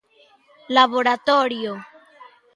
Laboratorio.